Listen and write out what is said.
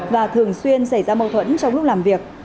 và thường xuyên xảy ra mâu thuẫn trong lúc làm việc